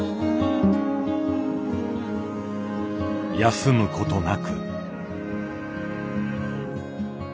休むことなく。